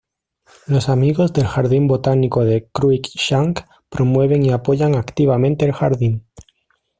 Los amigos del jardín botánico de Cruickshank promueven y apoyan activamente el jardín.